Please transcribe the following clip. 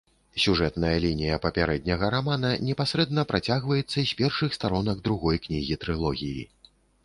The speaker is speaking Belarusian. Сюжэтная лінія папярэдняга рамана непасрэдна працягваецца з першых старонак другой кнігі трылогіі.